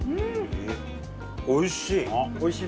おいしい。